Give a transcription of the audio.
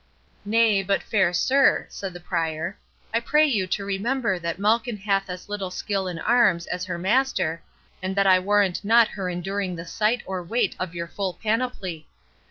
"Nay, but fair sir," said the Prior, "I pray you to remember that Malkin hath as little skill in arms as her master, and that I warrant not her enduring the sight or weight of your full panoply.